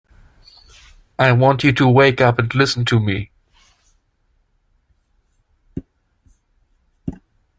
I want you to wake up and listen to me